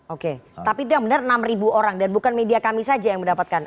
oke tapi itu yang benar enam ribu orang dan bukan media kami saja yang mendapatkan